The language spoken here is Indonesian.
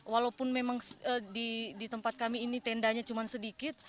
walaupun memang di tempat kami ini tendanya cuma sedikit